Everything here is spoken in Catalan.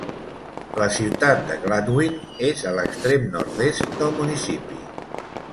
La ciutat de Gladwin és a l'extrem nord-est del municipi.